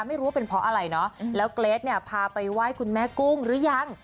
ไม่รู้ว่าเป็นเพราะอะไรเนาะแล้วเกรทเนี่ยพาไปไหว้คุณแม่กุ้งหรือยัง